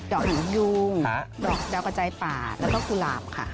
ดอกหินยุงดอกดาวกระจายป่าแล้วก็กุหลาบค่ะ